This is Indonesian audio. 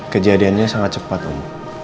kejadiannya sangat cepat om